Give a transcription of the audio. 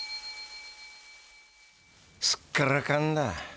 すっからかんだ。